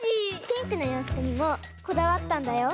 ピンクのようふくにもこだわったんだよ。